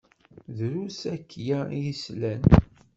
Drus akya i yeslan.